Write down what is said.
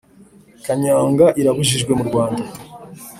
kanyanga irabujijwe murwanda